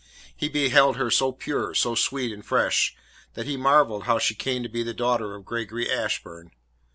He beheld her so pure, so sweet and fresh, that he marvelled how she came to be the daughter of Gregory Ashburn.